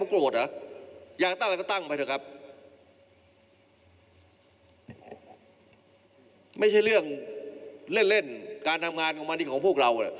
ไม่ใช่เรื่องเล่นเล่นการทำงานของมันดีของพวกเรา